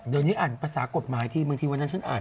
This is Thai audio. เดี๋ยวนี้อ่านภาษากฎหมายทีบางทีวันนั้นฉันอ่าน